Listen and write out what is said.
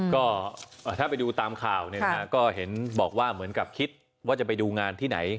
ก็ถ้าไปดูตามข่าวก็เห็นบอกว่าเหมือนกับคิดว่าจะไปดูงานที่ไหน